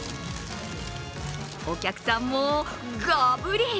お客さんも、ガブリ。